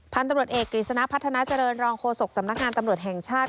พันธุ์ตำรวจเอกกฤษณะพัฒนาเจริญรองโฆษกสำนักงานตำรวจแห่งชาติ